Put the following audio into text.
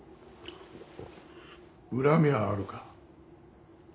恨みはあるか。